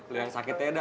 lo yang sakit ya dah